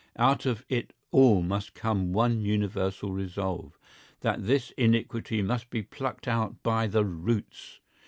Out of it all must come one universal resolve: that this iniquity must be plucked out by the roots.